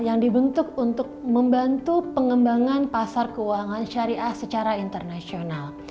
yang dibentuk untuk membantu pengembangan pasar keuangan syariah secara internasional